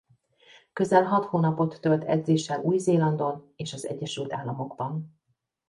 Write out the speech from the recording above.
Közel hat hónapot tölt edzéssel Új-Zélandon és az Egyesült Államokban.